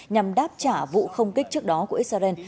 nhằm đáp trả vụ không kích trước đó của israel